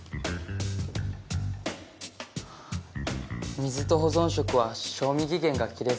水と保存食は賞味期限が切れそうです。